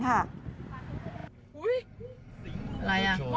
อะไรอ่ะ